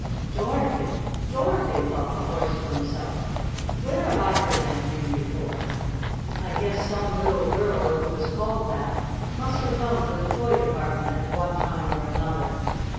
"Dorothy! Dorothy!" thought the Horse to himself. "Where have I heard that name before? I guess some little girl who was called that must have come to the toy department at one time or another.